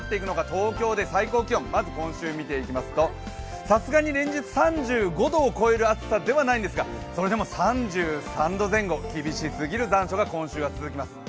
東京で最高気温、まず今週見ていきますと、さすがに連日、３５度を超える暑さではないんですがそれでも３３度前後厳しすぎる残暑がこの先続きます。